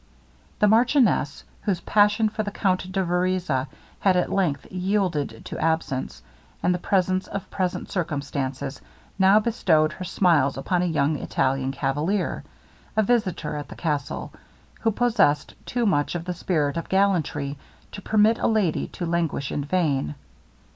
The marchioness, whose passion for the Count de Vereza had at length yielded to absence, and the pressure of present circumstances, now bestowed her smiles upon a young Italian cavalier, a visitor at the castle, who possessed too much of the spirit of gallantry to permit a lady to languish in vain.